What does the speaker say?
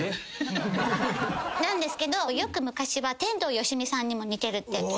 なんですけどよく昔は天童よしみさんにも似てるって。